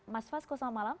mas vasco selamat malam